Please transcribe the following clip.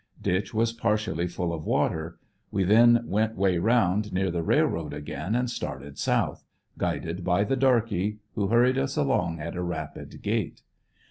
Ditch w^as partially full of water. We then went way round near the rail road again, and started south, guided by the darky, who hurried us along at a rapid gait.